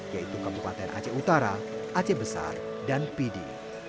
yaitu kabupaten aceh utara aceh besar dan pidi